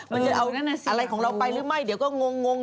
มันจะเอาอะไรของเราไปหรือไม่เดี๋ยวก็งง